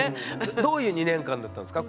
どういう２年間だったんですか？